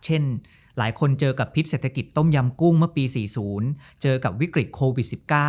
หลายคนเจอกับพิษเศรษฐกิจต้มยำกุ้งเมื่อปี๔๐เจอกับวิกฤตโควิด๑๙